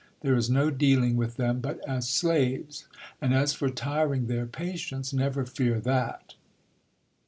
There is no dealing with them but as slaves ; and as for tiring their patience, never fear that.